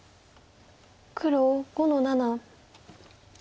黒５の七。